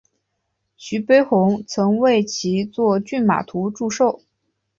徐悲鸿曾为其作骏马图祝寿。